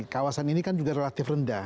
kawasan ini kan juga relatif rendah